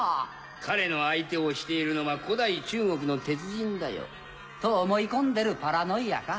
彼の相手をしているのは古代中国の哲人だよ。と思い込んでるパラノイアか。